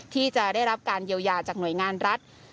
ที่จะได้รับการเยียวยาจากหน่วยงานรัฐ